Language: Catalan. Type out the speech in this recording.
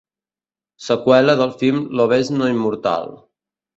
Seqüela del film ‘Lobezno inmortal’